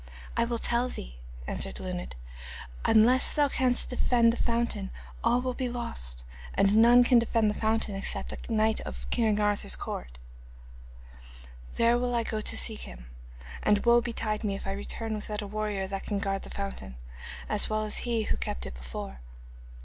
'I will tell thee,' answered Luned. 'Unless thou canst defend the fountain all will be lost, and none can defend the fountain except a knight of Arthur's court. There will I go to seek him, and woe betide me if I return without a warrior that can guard the fountain, as well as he who kept it before.